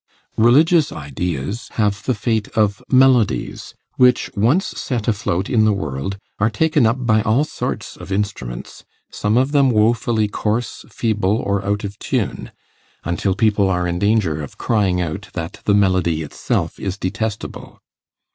Religious ideas have the fate of melodies, which, once set afloat in the world, are taken up by all sorts of instruments, some of them woefully coarse, feeble, or out of tune, until people are in danger of crying out that the melody itself is detestable.